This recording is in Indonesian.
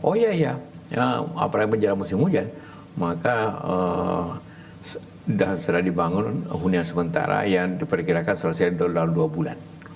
oh iya iya apalagi menjelang musim hujan maka sudah dibangun hunian sementara yang diperkirakan selesai dalam dua bulan